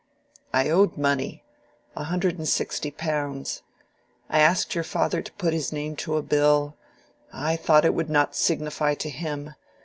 "I owed money—a hundred and sixty pounds. I asked your father to put his name to a bill. I thought it would not signify to him.